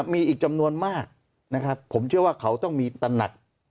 มีอีกจำนวนมากนะครับผมเชื่อว่าเขาต้องมีตระหนัก